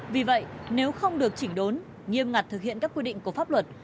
vì vậy nếu không được chỉnh đốn nghiêm ngặt thực hiện các quy định của pháp luật